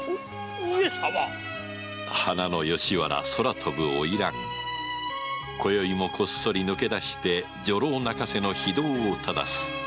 花の吉原空飛ぶ花魁今宵もこっそり抜け出して女郎泣かせの非道を正す